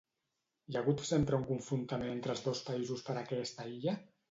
Hi ha hagut sempre un confrontament entre els dos països per aquesta illa?